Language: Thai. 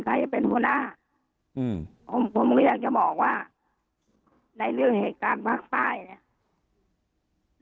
ใครจะเป็นหัวหน้าอืมผมผมก็อยากจะบอกว่าในเรื่องเหตุการณ์ภาคใต้เนี่ย